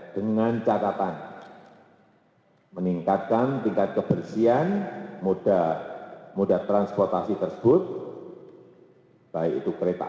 dengan catatan meningkatkan tingkat kebersihan moda transportasi tersebut baik itu kereta